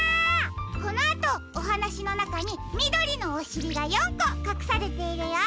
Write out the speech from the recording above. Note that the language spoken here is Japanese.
このあとおはなしのなかにみどりのおしりが４こかくされているよ。